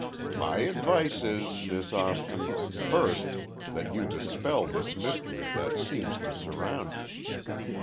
"My advice is, Miss Austin, first, that you dispel this mystery that seems to surround you.